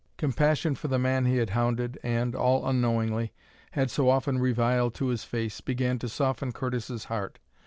Compassion for the man he had hounded and, all unknowingly, had so often reviled to his face, began to soften Curtis's heart.